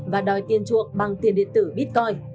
và đòi tiền chuộc bằng tiền điện tử bitcoin